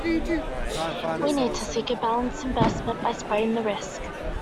We need to seek a balanced investment by spreading the risk.